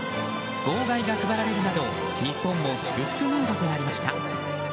号外が配られるなど日本も祝福ムードとなりました。